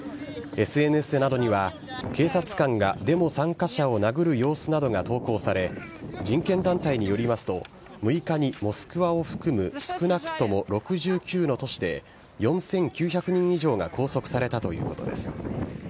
ＳＮＳなどには、警察官がデモ参加者を殴る様子などが投稿され、人権団体によりますと、６日にモスクワを含む少なくとも６９の都市で、４９００人以上が拘束されたということです。